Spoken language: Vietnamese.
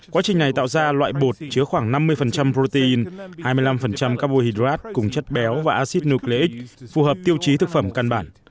quá trình này tạo ra loại bột chứa khoảng năm mươi protein hai mươi năm cabohidrat cùng chất béo và acid nucleic phù hợp tiêu chí thực phẩm căn bản